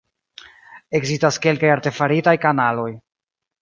Ekzistas kelkaj artefaritaj kanaloj.